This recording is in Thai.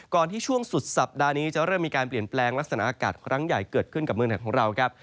ที่ช่วงสุดสัปดาห์นี้จะเริ่มมีการเปลี่ยนแปลงลักษณะอากาศครั้งใหญ่เกิดขึ้นกับเมืองไทยของเราครับ